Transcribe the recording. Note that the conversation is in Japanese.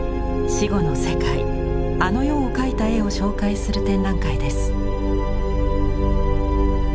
死後の世界「あの世」を描いた絵を紹介する展覧会です。